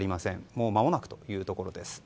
もうまもなくというところです。